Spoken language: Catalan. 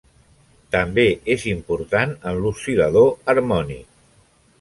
També és important en l'oscil·lador harmònic.